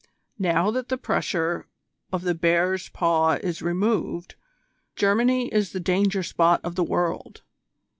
Now that the pressure of the bear's paw is removed, Germany is the danger spot of the world.